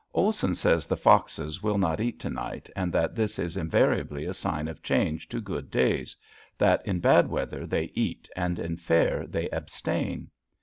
Olson says the foxes will not eat to night and that this is invariably a sign of change to good days that in bad weather they eat and in fair they abstain.